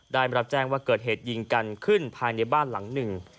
ได้รับแจ้งว่าเกิดเหตุยิงกันขึ้นภายในบ้านหลังหนึ่ง